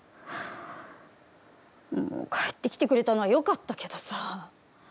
帰ってきてくれたのはよかったけどさ。